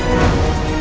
aku sudah menang